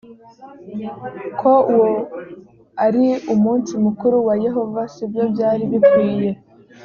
ko uwo ari umunsi mukuru wa yehova si byo byari bikwiye